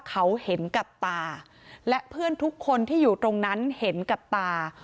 เขาเห็นกับตาและเพื่อนทุกคนที่อยู่ตรงนั้นเห็นกับตา